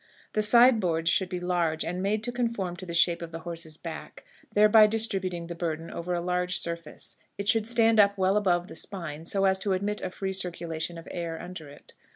The side boards should be large, and made to conform to the shape of the horse's back, thereby distributing the burden over a large surface. It should stand up well above the spine, so as to admit a free circulation of air under it.